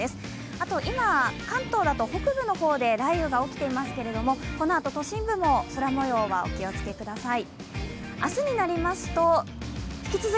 あと、今、関東だと北部の方で雷雨が起きていますけれどもこのあと都心部も空もようはお気をつけください。